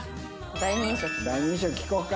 第二印象聞こうか。